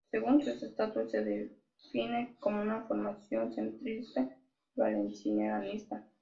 Según sus Estatutos, se define como una formación centrista y valencianista.